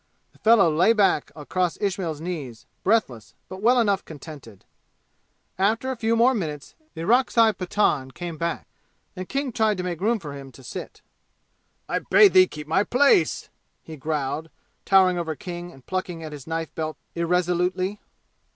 The fellow lay back across Ismail's knees, breathless but well enough contented. And after a few more minutes the Orakzai Pathan came back, and King tried to make room for him to sit. "I bade thee keep my place!" he growled, towering over King and plucking at his knife belt irresolutely.